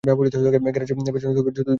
গ্যারেজের পেছনের জুতার বাক্সের ভেতর।